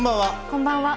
こんばんは。